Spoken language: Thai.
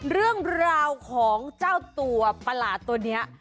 เรื่องราวของเจ้าตัวประหลาดตัวนี้